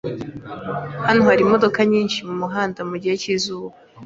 Hano hari imodoka nyinshi mumuhanda mugihe cyizuba.